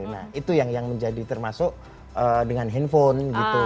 nah itu yang menjadi termasuk dengan handphone gitu